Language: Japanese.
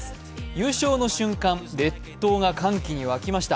優勝の瞬間、列島が歓喜に沸きました。